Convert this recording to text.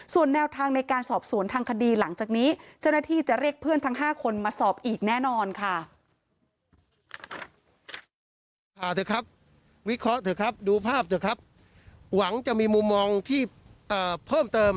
ส่วนแนวทางในการสอบสวนทางคดีหลังจากนี้